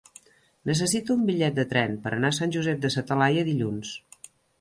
Necessito un bitllet de tren per anar a Sant Josep de sa Talaia dilluns.